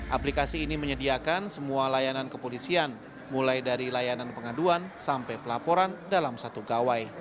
aplikasi ini menyediakan semua layanan kepolisian mulai dari layanan pengaduan sampai pelaporan dalam satu gawai